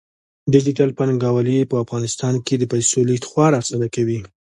ډیجیټل بانکوالي په افغانستان کې د پیسو لیږد خورا اسانه کوي.